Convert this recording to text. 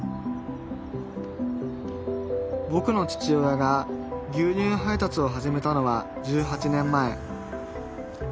ぼくの父親が牛乳配達を始めたのは１８年前。